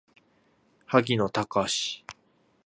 荻野貴司